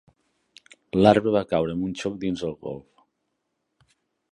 L'arbre va caure amb un xoc dins el golf.